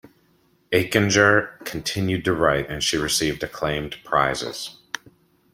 Aichinger continued to write and she received acclaimed prizes.